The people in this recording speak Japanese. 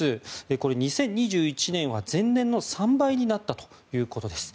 これ、２０２１年は前年の３倍になったということです。